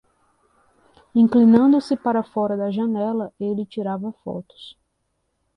Inclinando-se para fora da janela, ele tirava fotos.